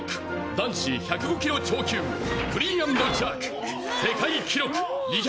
「男子１０５キロ超級クリーン＆ジャーク」「世界記録２６３キロ！」